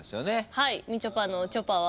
はい。